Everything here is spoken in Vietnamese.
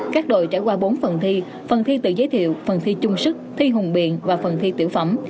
các đội trải qua bốn phần thi phần thi tự giới thiệu phần thi chung sức thi hùng biện và phần thi tiểu phẩm